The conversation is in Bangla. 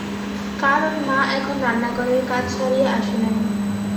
কারণ মা এখন রান্নাঘরের কাজ সারিয়া আসে নাই।